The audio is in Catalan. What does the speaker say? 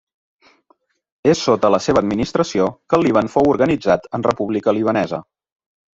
És sota la seva administració que el Líban fou organitzat en república libanesa.